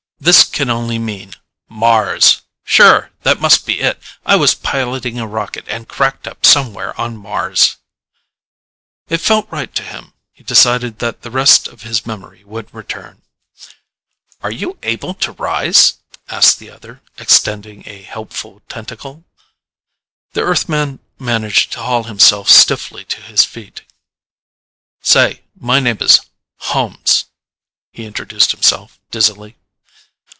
This can only mean MARS! Sure! That must be it I was piloting a rocket and cracked up somewhere on Mars. It felt right to him. He decided that the rest of his memory would return. "Are you able to rise?" asked the other, extending a helpful tentacle. The Earthman managed to haul himself stiffly to his feet. "Say, my name is Holmes," he introduced himself dizzily.